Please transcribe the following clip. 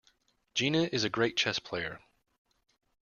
Gina is a great chess player.